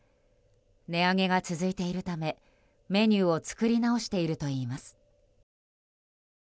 値上げが続いているためメニューを作り直しているといいます。